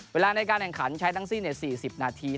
เวลาในการแข่งขันใช้ทั้งสิ้น๔๐นาที